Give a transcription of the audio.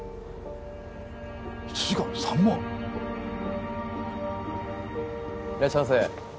１時間３万⁉いらっしゃいませ。